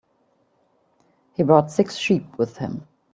He brought six sheep with him.